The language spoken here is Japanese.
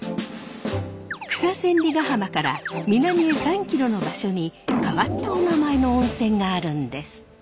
草千里ヶ浜から南へ３キロの場所に変わったおなまえの温泉があるんです。